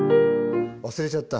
忘れちゃった。